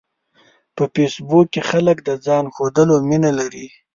په فېسبوک کې خلک د ځان ښودلو مینه لري